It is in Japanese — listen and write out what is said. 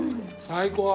最高！